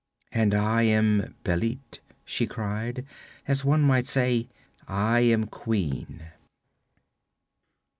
'And I am Bêlit,' she cried, as one might say, 'I am queen.'